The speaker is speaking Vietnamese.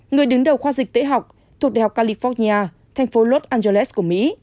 người đứng đầu khoa dịch tễ học thuộc đại học california thành phố los angeles của mỹ